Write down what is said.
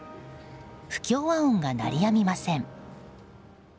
不協和音が鳴りやみません。